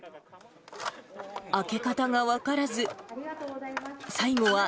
開け方が分からず。